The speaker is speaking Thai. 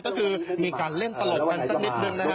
ก็คือมีการเล่นตลกกันสักนิดนึงนะฮะ